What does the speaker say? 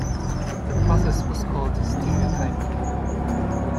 The process was called stereotyping.